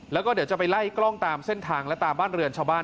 แล้วก็เดี๋ยวจะไปไล่กล้องตามเส้นทางและตามบ้านเรือนชาวบ้าน